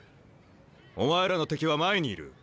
お前らの敵は前にいる。